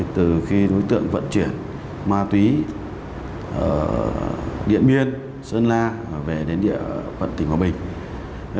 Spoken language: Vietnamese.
từ khi đối tượng vận chuyển ma túy điện biên sơn la về đến địa phận tỉnh hòa bình